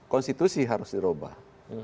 konstitusi harus diubah